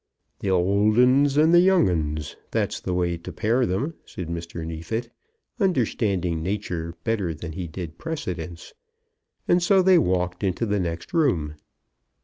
"The old uns and the young uns; that's the way to pair them," said Mr. Neefit, understanding nature better than he did precedence; and so they walked into the next room.